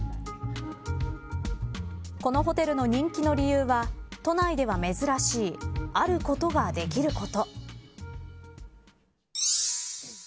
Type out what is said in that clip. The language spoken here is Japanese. このホテルの人気の理由は都内では珍しいあることができること。